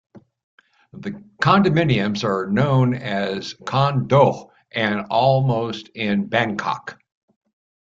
Condominiums are known as "Con-doh" and almost in Bangkok.